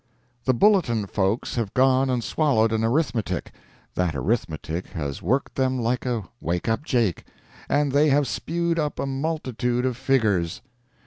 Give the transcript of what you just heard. —The Bulletin folks have gone and swallowed an arithmetic; that arithmetic has worked them like a "wake up Jake," and they have spewed up a multitude of figures.